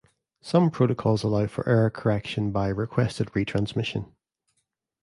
Some protocols allow for error correction by requested retransmission.